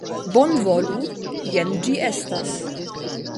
Bonvolu, jen ĝi estas.